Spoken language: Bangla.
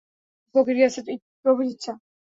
ফকির গেছে, প্রভুর ইচ্ছা।